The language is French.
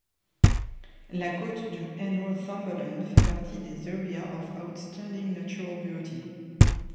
La côte du Nrothumberland fait partie des Area of Outstanding Natural Beauty.